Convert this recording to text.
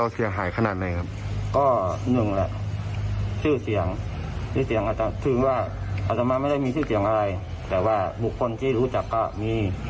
ซึ่งว่าอัตมาไม่ได้มีเสียงอะไรแต่ว่าบุคคลที่รู้จักก็มี